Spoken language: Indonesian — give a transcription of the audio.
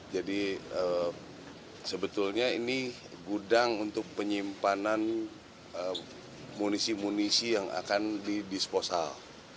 jadi sebetulnya ini gudang untuk penyimpanan munisi munisi yang akan didisposal